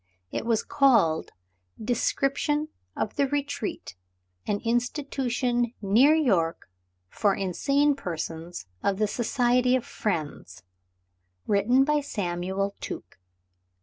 It was called, "Description of the Retreat, an institution near York for insane persons of the Society of Friends. Written by Samuel Tuke."